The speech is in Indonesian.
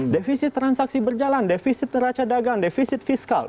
defisit transaksi berjalan defisit neraca dagang defisit fiskal